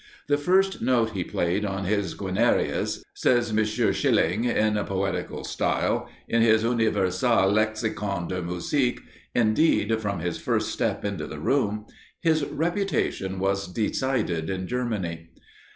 "The first note he played on his Guarnerius (says M. Schilling, in poetical style, in his "Universal Lexicon der Musik") indeed, from his first step into the room his reputation was decided in Germany.